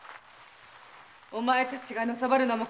お前たちがのさばるのもこれまで。